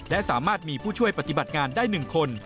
และสามารถมีผู้ช่วยปฏิบัติงานได้๑คน